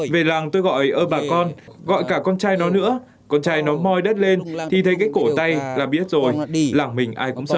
về làng tôi gọi ơ bà con gọi cả con trai nó nữa con trai nó mòi đất lên thì thấy cái cổ tay là biết rồi đi làng mình ai cũng sợ